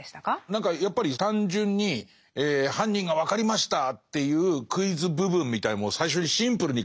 何かやっぱり単純に犯人が分かりましたっていうクイズ部分みたいのも最初にシンプルに書いて。